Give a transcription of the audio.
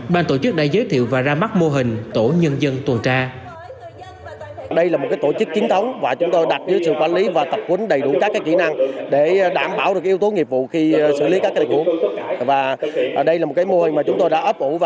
ban tổ chức đã giới thiệu và ra mắt mô hình tổ nhân dân tuần tra